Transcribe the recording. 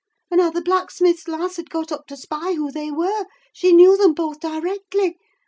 and how the blacksmith's lass had got up to spy who they were: she knew them both directly.